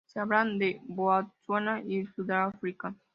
Se hablan en Botsuana y Sudáfrica.